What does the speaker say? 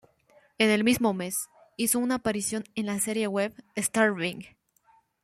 En el mismo mes, hizo una aparición en la serie web "Star-ving".